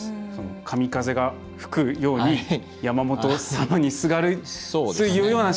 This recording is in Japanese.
神風が吹くように山本様にすがるというような心境なんですかね。